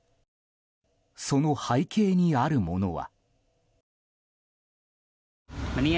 その背景にあるものは。